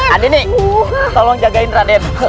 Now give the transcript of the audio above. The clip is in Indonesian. adini tolong jagain raden